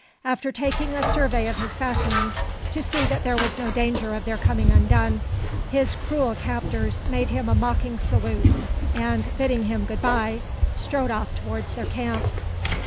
After taking a survey of his fastenings, to see that there was no danger of their coming undone, his cruel captors made him a mocking salute; and, bidding him "good bye," strode off towards their camp.